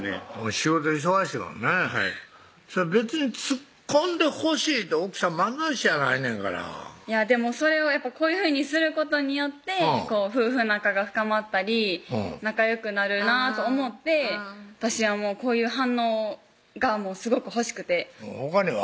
仕事忙しいもんねはい別に「ツッコんでほしい」って奥さん漫才師やないねんからでもそれをこういうふうにすることによって夫婦仲が深まったり仲よくなるなと思って私はこういう反応がすごく欲しくてほかには？